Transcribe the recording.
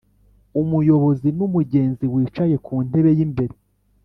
umuyobozi n'umugenzi wicaye ku ntebe y'imbere.